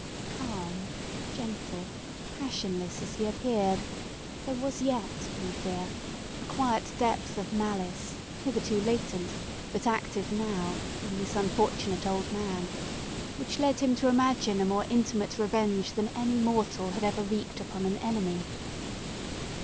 Calm, gentle, passionless, as he appeared, there was yet, we fear, a quiet depth of malice, hitherto latent, but active now, in this unfortunate old man, which led him to imagine a more intimate revenge than any mortal had ever wreaked upon an enemy.